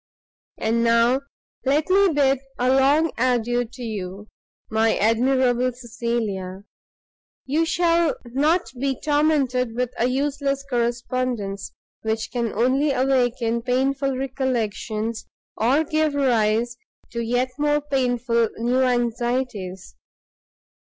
And now let me bid a long adieu to you, my admirable Cecilia; you shall not be tormented with a useless correspondence, which can only awaken painful recollections, or give rise to yet more painful new anxieties.